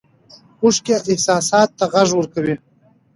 اوښکې احساساتو ته غږ ورکوي.